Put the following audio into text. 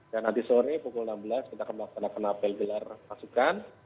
dan nanti sore pukul enam belas kita akan melaksanakan apel gelar pasukan